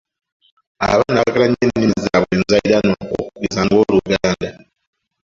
"Abaana baagala nnyo ennimi zaabwe enzaaliranwa okugeza nga, Oluganda."